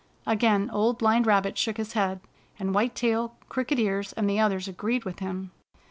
Again Old Blind Rabbit shook his head, and White Tail, Crooked Ears and the others agreed with him.